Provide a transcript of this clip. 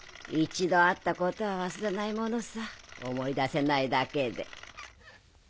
一度あったことは忘れないものさ思い出せないだけで。